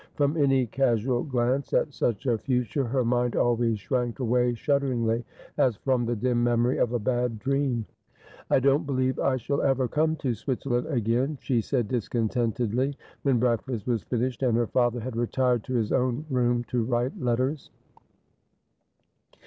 From any casual glance at such a future her mind always shrank away shudderingly, as from the dim memory of a bad dream. 286 Asphodel. ' I don't believe I shall ever come to Switzerland again,' she eaid discontentedly, vs^hen breakfast was finished and her father had retired to his own room to write letters.